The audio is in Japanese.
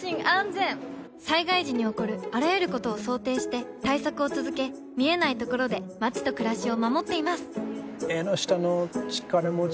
災害時に起こるあらゆることを想定して対策を続け見えないところで街と暮らしを守っていますエンノシタノチカラモチ？